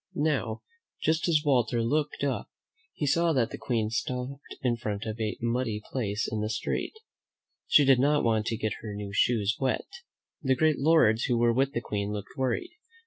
Now, just as Walter looked up, he saw that the Queen stopped in front of a muddy place in the street. She did not want to get her new shoes wet. The great lords who were with the Queen looked worried.